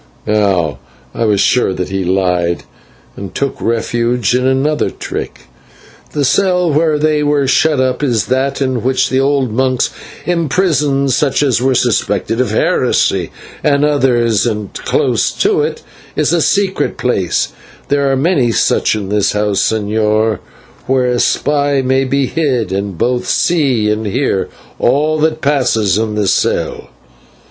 Now, I was sure that he lied, and took refuge in another trick. The cell they were shut up is that in which the old monks imprisoned such as were suspected of heresy, and others, and close to it is a secret place there are many such in this house, señor where a spy may be hid, and both see and hear all that passes in the cell.